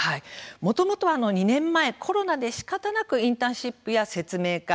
もともとは２年前コロナでしかたなくインターンシップや説明会